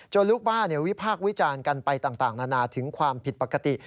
ลูกบ้านวิพากษ์วิจารณ์กันไปต่างนานาถึงความผิดปกติ